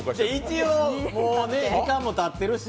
一応時間もたってるし。